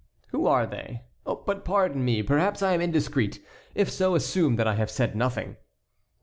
"Who are they? But, pardon me, perhaps I am indiscreet. If so, assume that I have said nothing."